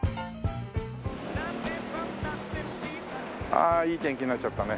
ああいい天気になっちゃったね。